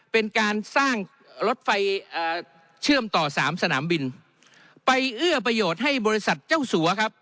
เป็นการสร้างรถไฟเชื่อมต่อสามสนามบินไปเอื้อประโยชน์ให้บริษัทเจ้าสัวครับ